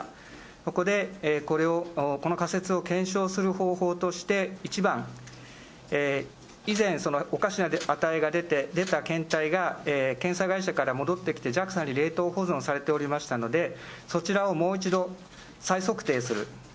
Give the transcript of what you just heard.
そこでこの仮説を検証する方法として１番、以前おかしな値が出た検体が検査会社から戻ってきて、ＪＡＸＡに冷凍保存されておりましたので、そちらをもう一度再測定する。